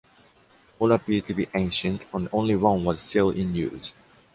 All appeared to be ancient, and only one was still in use.